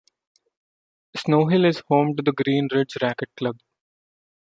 Snow Hill is home to the Green Ridge Racquet Club.